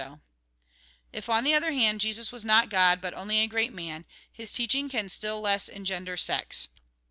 AUTHOR'S PREFACE 13 If, on the other hand, Jesus was not God, but only a great man, his teaching can still less engender sects.